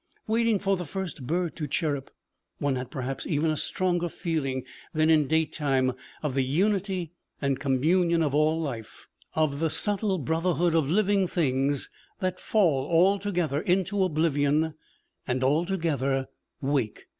Waiting for the first bird to chirrup, one had perhaps even a stronger feeling than in daytime of the unity and communion of all life, of the subtle brotherhood of living things that fall all together into oblivion, and, all together, wake.